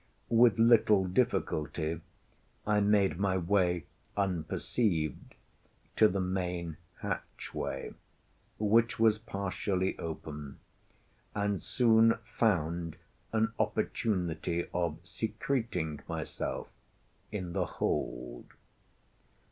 With little difficulty I made my way unperceived to the main hatchway, which was partially open, and soon found an opportunity of secreting myself in the hold.